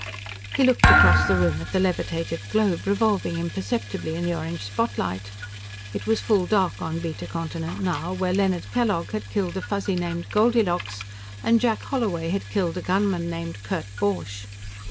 He looked across the room at the levitated globe, revolving imperceptibly in the orange spotlight. It was full dark on Beta Continent now, where Leonard Kellogg had killed a Fuzzy named Goldilocks and Jack Holloway had killed a gunman named Kurt Borch.